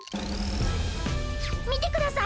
みてください！